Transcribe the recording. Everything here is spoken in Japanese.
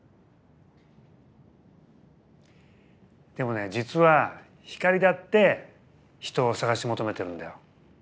でもね実は光だって人を探し求めてるんだよ。